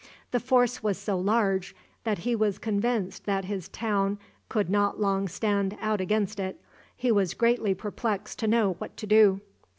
The force was so large that he was convinced that his town could not long stand out against it. He was greatly perplexed to know what to do.